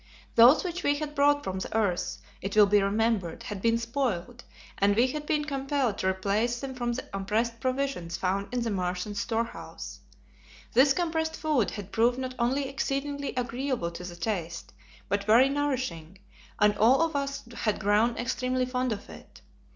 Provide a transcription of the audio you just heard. Those which we had brought from the earth, it will be remembered, had been spoiled and we had been compelled to replace them from the compressed provisions found in the Martians' storehouse. This compressed food had proved not only exceedingly agreeable to the taste, but very nourishing, and all of us had grown extremely fond of it.